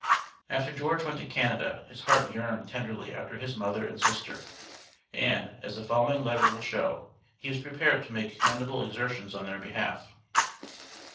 After George went to Canada, his heart yearned tenderly after his mother and sister, and, as the following letter will show, he was prepared to make commendable exertions in their behalf: ST.